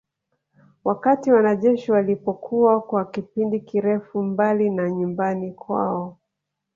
Wakati wanajeshi walipokuwa kwa kipindi kirefu mbali na nyumbani kwao